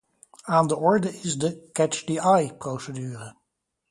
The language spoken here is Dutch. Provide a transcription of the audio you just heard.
Aan de orde is de 'catch the eye'-procedure.